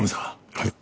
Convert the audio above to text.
はい。